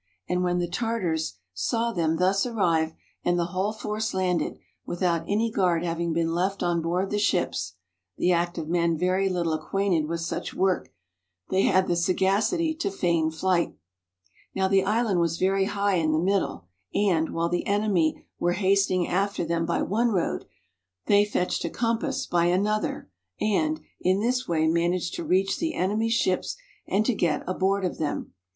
And when the Tartars saw them thus arrive, and the whole force landed, without any guard having been left on board the ships (the act of men very little acquainted with such work), they had the sagacity to feign flight. [Now the island was very high in the middle, and, while the enemy were hastening after them by one road, they fetched a compass by another, and] in this way managed to reach the enemy's ships and to get aboard of them.